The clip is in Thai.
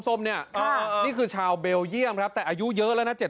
นี่คือชาวเบลเยี่ยมครับแต่อายุเยอะแล้วนะ